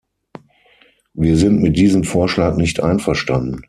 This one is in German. Wir sind mit diesem Vorschlag nicht einverstanden.